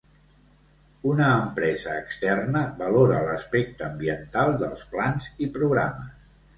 Una empresa externa valora l'aspecte ambiental dels plans i programes.